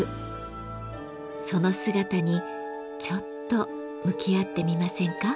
その姿にちょっと向き合ってみませんか。